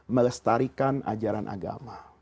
melestarikan ajaran agama